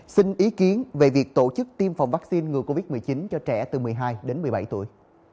xin ý kiến về việc tổ chức tiêm phòng vaccine ngừa covid một mươi chín cho trẻ từ một mươi hai đến một mươi bảy tuổi